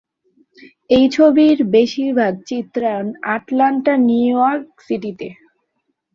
এই ছবির বেশিরভাগ চিত্রায়ন আটলান্টা, নিউ ইয়র্ক সিটিতে।